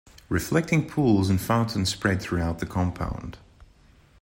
Reflecting pools and fountains spread throughout the compound.